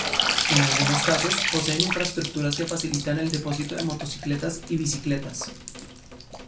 En algunos casos poseen infraestructuras que facilitan el depósito de motocicletas y bicicletas.